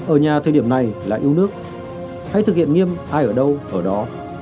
ở nhà thời điểm này lại yêu nước hãy thực hiện nghiêm ai ở đâu ở đó